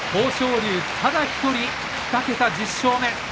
龍ただ１人、２桁１０勝目。